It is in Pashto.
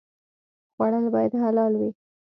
خوړل باید حلال وي